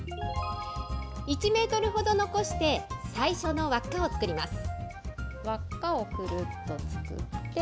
１メートルほど残して、最初のわっかを作ります。